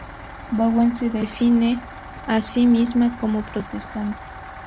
Bowen se define a sí misma como protestante.